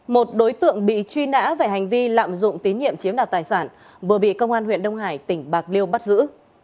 một đối tượng bị truy nã về hành vi lạm dụng tín nhiệm chiếm đoạt tài sản vừa bị công an huyện đông hải tỉnh bạc liêu bắt giữ